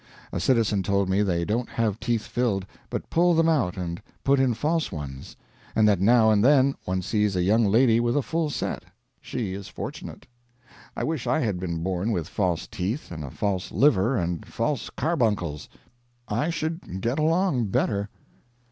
A citizen told me they don't have teeth filled, but pull them out and put in false ones, and that now and then one sees a young lady with a full set. She is fortunate. I wish I had been born with false teeth and a false liver and false carbuncles. I should get along better.